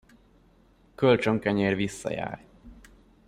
Kölcsön kenyér visszajár.